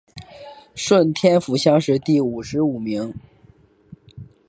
顺天府乡试第五十五名。